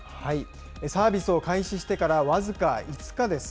サービスを開始してから僅か５日です。